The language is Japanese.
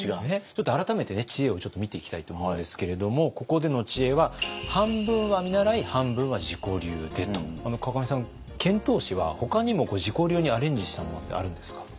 ちょっと改めて知恵を見ていきたいと思うんですけれどもここでの知恵は「半分は見習い半分は自己流で」と。河上さん遣唐使はほかにも自己流にアレンジしたものってあるんですか？